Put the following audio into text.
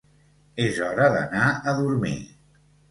És hora d'anar a dormir.